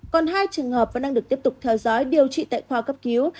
còn hai trường hợp vẫn đang được tiếp tục theo dõi điều trị tại khoa cấp cứu